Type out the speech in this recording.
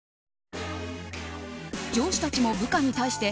上司たちも部下に対して